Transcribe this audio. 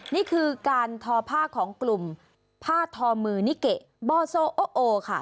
นี่คือการทอผ้าของกลุ่มผ้าทอมือนิเกะบอโซโอโอค่ะ